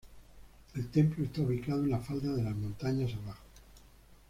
El templo está ubicado en la falda de las Montañas Abajo.